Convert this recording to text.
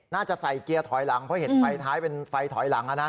น่าจะใส่เกียร์ถอยหลังเพราะเห็นไฟท้ายเป็นไฟถอยหลัง